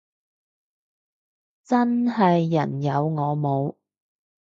真係人有我冇